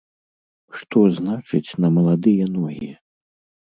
Што значыць на маладыя ногі?